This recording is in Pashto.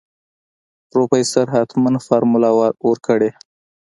پروفيسر حتمن فارموله ورکړې.